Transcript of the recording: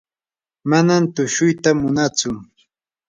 manam tushuyta munantsu.